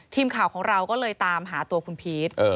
ทีมข่าวของเราก็เลยตามหาตัวคุณพีช